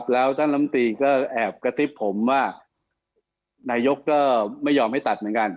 และต้านล้ำติก็แอบกระซิบผมว่า